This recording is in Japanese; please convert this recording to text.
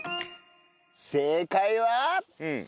正解は。